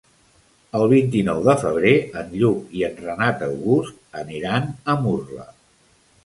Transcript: El vint-i-nou de febrer en Lluc i en Renat August aniran a Murla.